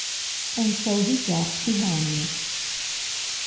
And so he dropped behind.